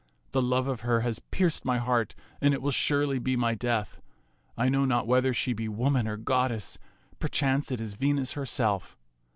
The love of her has pierced my heart, and it will surely be my death. I know not whether she be woman or goddess. Perchance it is Venus herself."